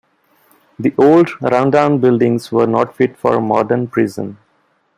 The old run-down buildings were not fit for a modern prison.